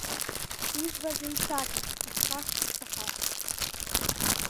Избаз еицакит, исхашҭт исаҳаз.